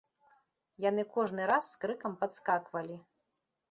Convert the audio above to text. Яны кожны раз з крыкам падскаквалі.